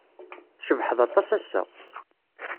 Tcebḥed aṭas ass-a.